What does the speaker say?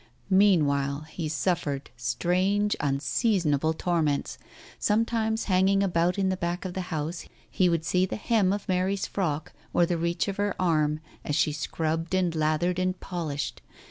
Meanwhile, he suffered, strange, unreasonable torments. Sometimes hanging about in the back of the house he would see the hem of Mary's frock or the reach of her arm, as she scrubbed and lathered and polished.